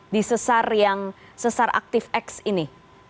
di sesar yang sesar aktif x ini